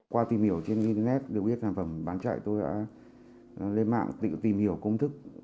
qua tìm hiểu trên internet được biết sản phẩm bán chạy tôi đã lên mạng tự tìm hiểu công thức